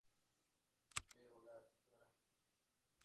Pero la Sra.